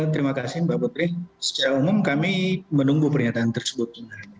terima kasih mbak putri secara umum kami menunggu pernyataan tersebut